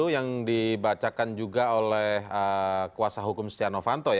yang dibacakan juga oleh kuasa hukum setia novanto